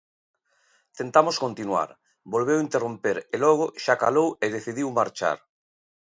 Tentamos continuar, volveu interromper e logo xa calou e decidiu marchar.